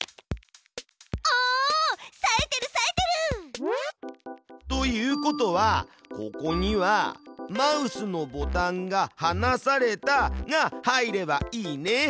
おさえてるさえてる！ということはここには「マウスのボタンがはなされた」が入ればいいね。